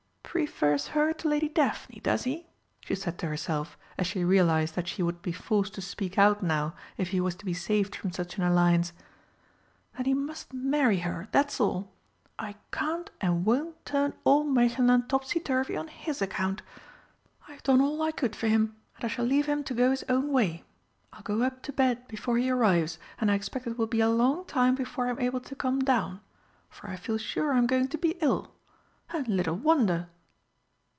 "Prefers her to Lady Daphne, does he?" she said to herself, as she realised that she would be forced to speak out now if he was to be saved from such an alliance. "Then he must marry her, that's all! I can't and won't turn all Märchenland topsy turvy on his account! I've done all I could for him, and I shall leave him to go his own way. I'll go up to bed before he arrives, and I expect it will be a long time before I'm able to come down, for I feel sure I am going to be ill and little wonder!"